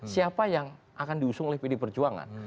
siapa yang akan diusung oleh pd perjuangan